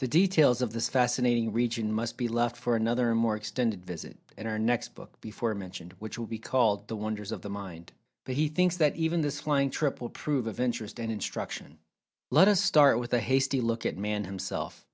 The details of this fascinating region must be left for another and more extended visit, in our next book (before mentioned) which will be called "The Wonders of The Mind." But he thinks that even this flying trip will prove of interest and instruction. Let us start with a hasty look at Man himself.